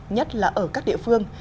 nhất là ở các địa phương